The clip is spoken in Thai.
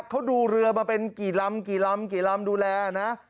เขาดูเรือมาเป็นกี่ลำดูแลนะ